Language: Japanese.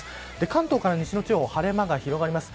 関東から西の地方は晴れ間が広がります。